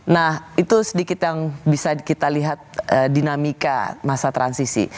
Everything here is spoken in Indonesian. nah itu sedikit yang bisa kita lihat dinamika masa transisi